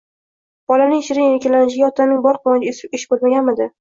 Bolaning shirin erkalanishiga otaning bor quvonchi esh bo‘lmaganmidi?